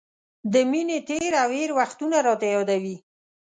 د مینې تېر او هېر وختونه راته را یادوي.